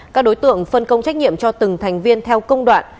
các đối tượng phân công trách nhiệm cho từng thành viên theo công đoạn